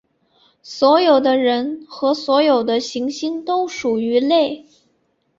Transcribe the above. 所有的人和所有的行星都属于类。